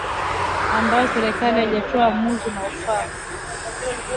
ambayo serikali haijaweka katika matumizi yanayofaa